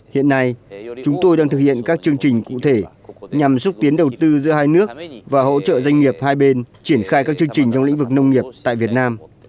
hiện nay chúng tôi đang thực hiện các chương trình cụ thể nhằm xúc tiến đầu tư giữa hai nước và hỗ trợ doanh nghiệp hai bên triển khai các chương trình trong lĩnh vực nông nghiệp tại việt nam